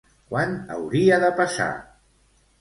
Quan hauria de passar?